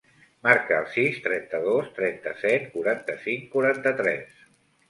Marca el sis, trenta-dos, trenta-set, quaranta-cinc, quaranta-tres.